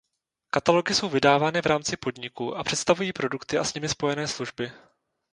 Katalogy jsou vydávány v rámci podniku a představují produkty a s nimi spojené služby.